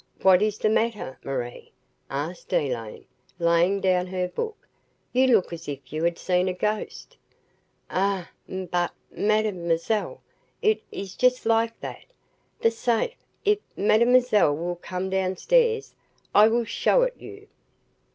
"What is the matter, Marie?" asked Elaine, laying down her book. "You look as if you had seen a ghost." "Ah, but, mademoiselle it ees just like that. The safe if mademoiselle will come downstairs, I will show it you."